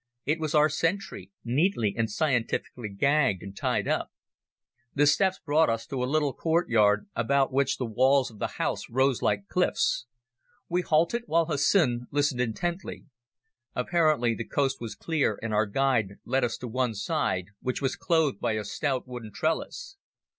It was our sentry, neatly and scientifically gagged and tied up. The steps brought us to a little courtyard about which the walls of the houses rose like cliffs. We halted while Hussin listened intently. Apparently the coast was clear and our guide led us to one side, which was clothed by a stout wooden trellis.